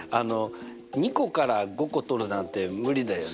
２個から５個とるなんて無理だよね。